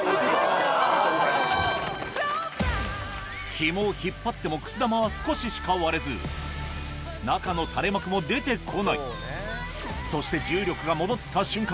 ヒモを引っ張ってもくす玉は少ししか割れず中の垂れ幕も出てこないそして重力が戻った瞬間